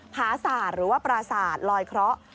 ผาสาดหรือว่าปราสาดลอยเคราะห์